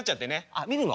あっ見るの？